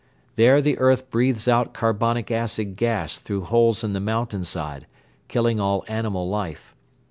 There the earth breathes out carbonic acid gas through holes in the mountainside, killing all animal life.